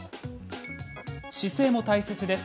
姿勢も大切です。